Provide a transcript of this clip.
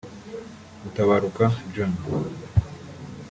Mutabaruka John